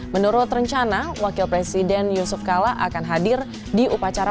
menurut rencana wakil presiden yusuf kala akan hadir di upacara